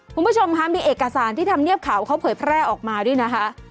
คุณผู้ชมคะมีเอกสารที่ทำเนียบเขาเขาเผยแพร่ออกมาด้วยนะคะ